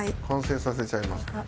完成させちゃいます。